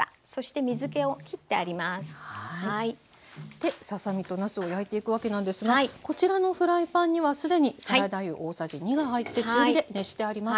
でささ身となすを焼いていくわけなんですがこちらのフライパンには既にサラダ油大さじ２が入って中火で熱してあります。